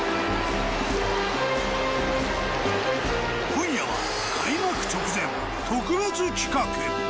今夜は開幕直前特別企画。